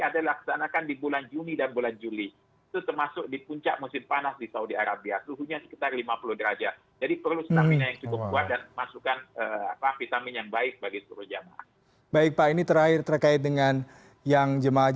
adalah dilaksanakan di bulan juni dan bulan juli